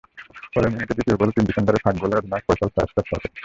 পরের মিনিটেই দ্বিতীয় গোল তিন ডিফেন্ডারের ফাঁক গলে অধিনায়ক ফয়সাল শায়েস্তের শটে।